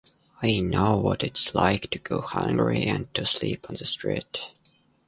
I know what it's like to go hungry and to sleep on the street.